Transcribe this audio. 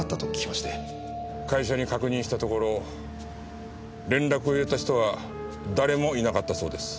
会社に確認したところ連絡を入れた人は誰もいなかったそうです。